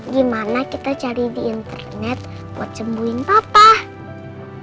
gimana kita cari di internet buat sembuhin papa